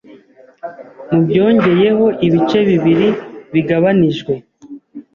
Mubyongeyeho ibice bibiri bigabanijwe